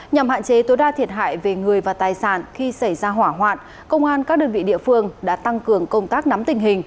nhằm hạn chế tối đa thiệt hại về người và tài sản khi xảy ra hỏa hoạn công an các đơn vị địa phương đã tăng cường công tác nắm tình hình